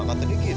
kata dia gitu